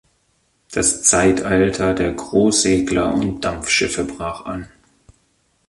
Das Zeitalter der Großsegler und Dampfschiffe brach an.